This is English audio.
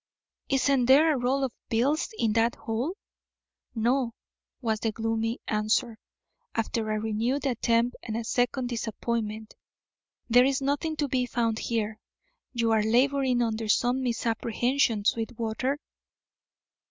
"Isn't there a roll of bills in that hole?" "No," was the gloomy answer, after a renewed attempt and a second disappointment. "There is nothing to be found here. You are labouring under some misapprehension, Sweetwater."